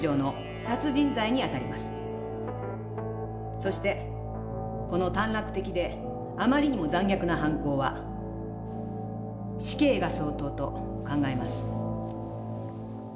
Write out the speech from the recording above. そしてこの短絡的であまりにも残虐な犯行は死刑が相当と考えます」。